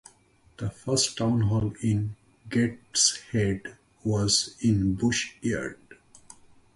The first town hall in Gateshead was in Bush Yard.